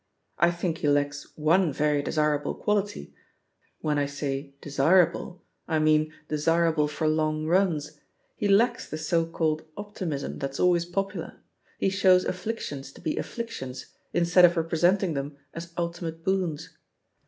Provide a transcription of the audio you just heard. "I think he lacks one very desirable quality — ^when I say 'desirable' I mean desirable for long runs — ^he lacks the so called optimism that's always popular; he shows afflictions to be aiHictions, instead of representing them as ulti mate boons.